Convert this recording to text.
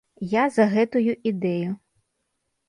Я за гэтую ідэю.